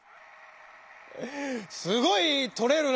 すごい採れるな！